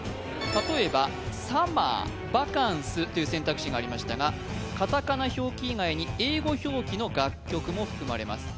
例えば「サマー」「バカンス」という選択肢がありましたがカタカナ表記以外に英語表記の楽曲も含まれます